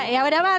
ya udah mas